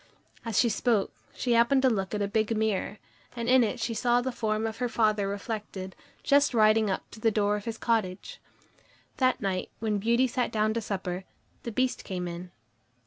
As she spoke, she happened to look at a big mirror, and in it she saw the form of her father reflected, just riding up to the door of his cottage. That night, when Beauty sat down to supper, the Beast came in.